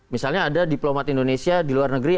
misalnya ada diplomat indonesia di luar negeri